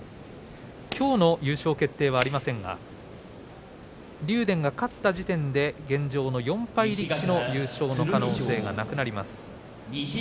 きょうの優勝決定はありませんが竜電が勝った時点で現状の４敗力士の優勝の可能性がなくなります。